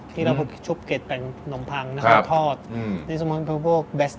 ที่เราชุบเก็ตแปลงนมพังนะครับทอดอืมนี่สมมติเป็นพวก